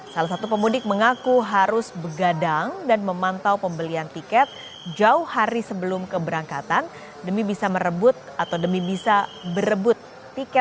salah satu pemudik mengaku harus begadang dan memantau pembelian tiket jauh hari sebelum keberangkatan demi bisa merebut atau demi bisa berebut tiket